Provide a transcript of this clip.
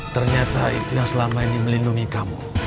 ternyata itu yang selama ini melindungi kamu